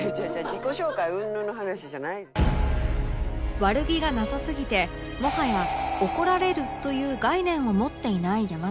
自己紹介うんぬんの話じゃない」悪気がなさすぎてもはや「怒られる」という概念を持っていない山添さん